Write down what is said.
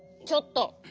ちょっと！